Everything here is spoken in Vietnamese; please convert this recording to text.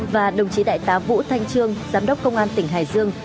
và đồng chí đại tá vũ thanh trương giám đốc công an tỉnh hải dương